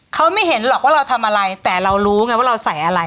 เขาไม่เห็นหรอกว่าเราทำอะไรแต่เรารู้ไงว่าเราใส่อะไร